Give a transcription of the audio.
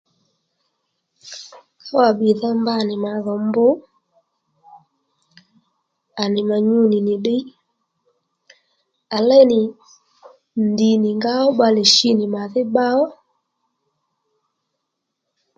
Sóyà bbìdha mbanì mà dhò mb à nì mà nyu nì ddíy à léy nì ndìnì nga ó bbalè shi nì màdhí bba ó